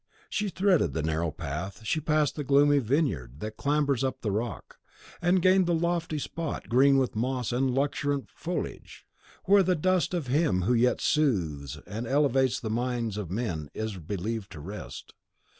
She threaded the narrow path, she passed the gloomy vineyard that clambers up the rock, and gained the lofty spot, green with moss and luxuriant foliage, where the dust of him who yet soothes and elevates the minds of men is believed to rest.